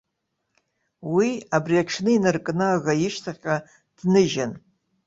Уи, абри аҽны инаркны аӷа ишьҭахьҟа дныжьын.